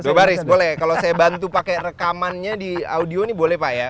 coba baris boleh kalau saya bantu pakai rekamannya di audio ini boleh pak ya